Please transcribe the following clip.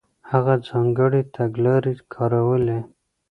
هغه ځانګړې تګلارې کارولې.